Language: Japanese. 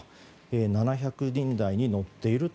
７００人台に乗っていると。